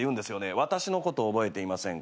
「私のこと覚えていませんか？」